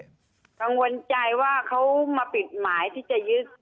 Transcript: กังวลใจว่าเขามาปิดหมายที่จะยึด